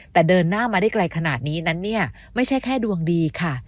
แต่เดินหน้ามาได้ไกลขนาดนี้นั้นเนี่ยไม่ใช่แค่ดวงดีค่ะ